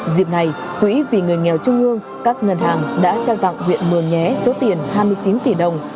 dịp này quỹ vì người nghèo trung ương các ngân hàng đã trao tặng huyện mường nhé số tiền hai mươi chín tỷ đồng